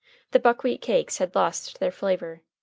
The buckwheat cakes had lost their flavor.